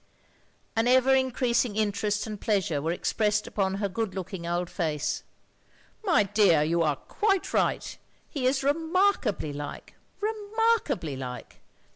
An ever increasing interest and pleasure were expressed upon her good looking old face. "My dear, you are quite right. He is re markably like, remarkably like.